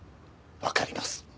わかります。